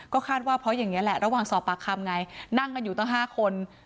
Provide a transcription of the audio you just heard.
คาดว่าเพราะอย่างนี้แหละระหว่างสอบปากคำไงนั่งกันอยู่ตั้ง๕คน